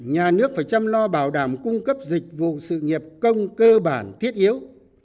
nhà nước phải chăm lo bảo đảm cung cấp dịch vụ sự nghiệp công cơ bản thiết yếu